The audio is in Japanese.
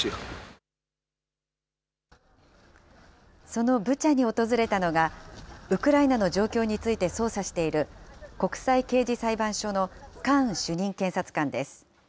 そのブチャに訪れたのが、ウクライナの状況について捜査している国際刑事裁判所のカーン主任検察官です。